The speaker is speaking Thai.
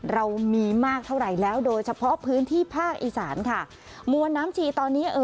เรามีมากเท่าไหร่แล้วโดยเฉพาะพื้นที่ภาคอีสานค่ะมวลน้ำชีตอนนี้เอ่อ